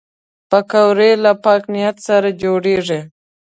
پکورې له پاک نیت سره جوړېږي